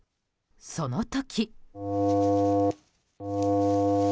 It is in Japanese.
その時。